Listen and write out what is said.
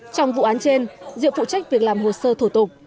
trong vụ án trên diệu phụ trách việc làm hồ sơ thủ tục